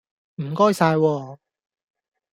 唔該晒喎